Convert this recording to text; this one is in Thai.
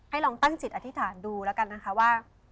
ลองตั้งจิตอธิษฐานดูแล้วกันนะคะว่า